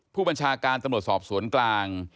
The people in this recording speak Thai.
ผู้บัญชาการตำรวจสอบสวนกลาง